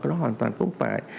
nó hoàn toàn không phải